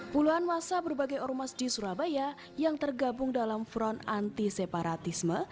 puluhan masa berbagai ormas di surabaya yang tergabung dalam front anti separatisme